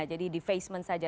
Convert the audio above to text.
jadi defacement saja